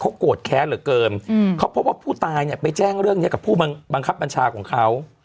โกรธแค้นเหลือเกินเขาพบว่าผู้ตายเนี่ยไปแจ้งเรื่องนี้กับผู้บังคับบัญชาของเขา